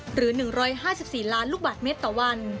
หรือ๑๕๔ล้านลูกบาทเมตรต่อวัน